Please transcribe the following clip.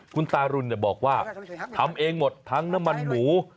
คุณตารุณบอกว่าทำเองหมดทั้งน้ำมันหมู